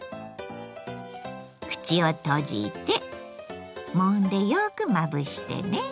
口を閉じてもんでよくまぶしてね。